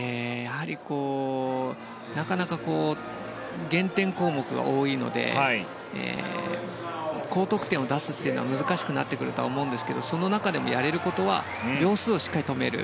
なかなか減点項目が多いので高得点を出すというのは難しくなってくるとは思うんですけどその中でもやれることは秒数をしっかり止める。